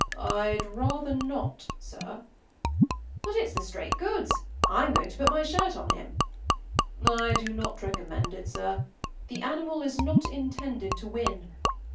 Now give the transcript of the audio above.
“I’d rather not, sir.” “But it’s the straight goods. I’m going to put my shirt on him.” “I do not recommend it, sir. The animal is not intended to win.